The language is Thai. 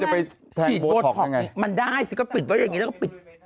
ไปฉีดโบท็อกนี้มันได้สิก็ปิดไว้อย่างนี้แล้วก็ปิด